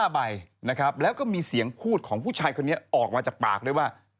๕ใบนะครับแล้วก็มีเสียงพูดของผู้ชายคนนี้ออกมาจากปากด้วยว่า